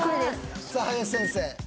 さあ林先生。